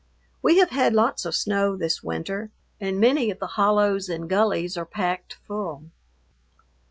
We have had lots of snow this winter, and many of the hollows and gullies are packed full.